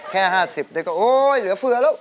แค่๕๐นี่ก็โอ๊ยเหลือเฟือแล้ว